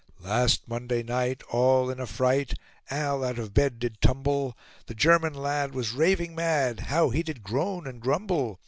"Last Monday night, all in a fright, Al out of bed did tumble. The German lad was raving mad, How he did groan and grumble!